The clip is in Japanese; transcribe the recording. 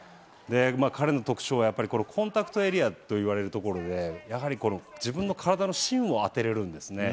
彼の特徴はやっぱりこのコンタクトエリアといわれる所で、やはり自分の体の芯を当てれるんですね。